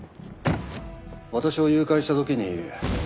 私を誘拐した時に。